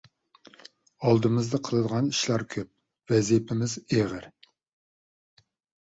ئالدىمىزدا قىلىدىغان ئىشلار كۆپ، ۋەزىپىمىز ئېغىر.